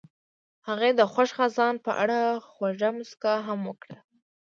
هغې د خوښ خزان په اړه خوږه موسکا هم وکړه.